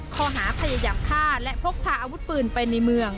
ข้อหาพยายามฆ่าและพกพาอาวุธปืนไปในเมือง